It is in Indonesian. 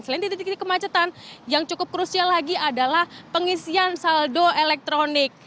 selain di titik titik kemacetan yang cukup krusial lagi adalah pengisian saldo elektronik